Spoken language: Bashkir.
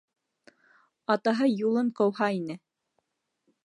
Атаһы юлын ҡыуһа ине.